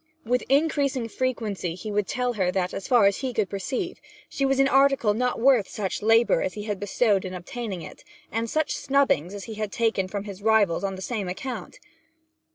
With increasing frequency he would tell her that, as far as he could perceive, she was an article not worth such labour as he had bestowed in obtaining it, and such snubbings as he had taken from his rivals on the same account.